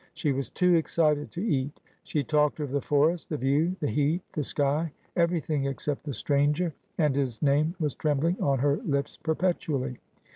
She was too excited to eat. She talked of the forest, the view, the heat, the sky, everything except the stranger, and his name was trembling on her lips perpetually.